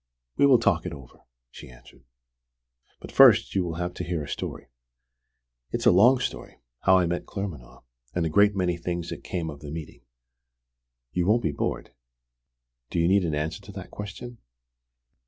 We will talk it over," she answered. "But first you will have to hear a story. It's a long story: how I met Claremanagh, and a great many things that came of the meeting. You won't be bored?" "Do you need an answer to that question?"